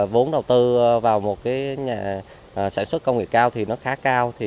vốn đầu tư vào một nhà sản xuất công nghệ cao thì nó khá cao